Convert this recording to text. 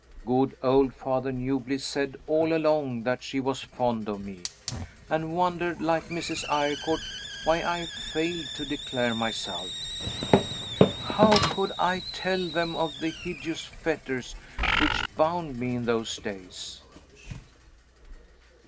Good old Father Newbliss said all along that she was fond of me, and wondered, like Mrs. Eyrecourt, why I failed to declare myself. How could I tell them of the hideous fetters which bound me in those days?